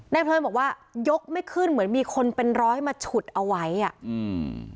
เพลินบอกว่ายกไม่ขึ้นเหมือนมีคนเป็นร้อยมาฉุดเอาไว้อ่ะอืม